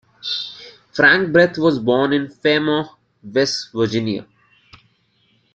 Frank Breth was born in Fairmont, West Virginia.